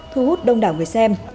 thu hút đông đảo người xem